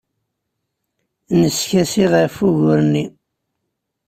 Neskasi ɣef wugur-nni.